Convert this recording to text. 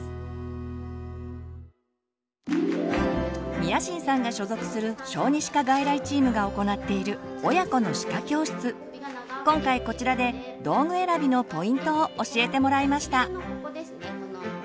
宮新さんが所属する小児歯科外来チームが行っている今回こちらで道具選びのポイントを教えてもらいました。